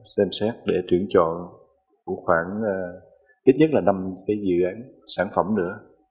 xem xét để tuyển chọn khoảng ít nhất là năm cái dự án sản phẩm nữa